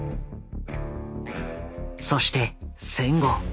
そして戦後。